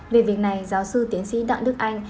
về việc này giáo sư tiến sĩ đặng đức anh